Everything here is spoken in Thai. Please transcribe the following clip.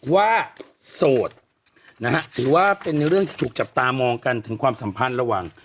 โสดนะฮะถือว่าเป็นเรื่องที่ถูกจับตามองกันถึงความสัมพันธ์ระหว่าง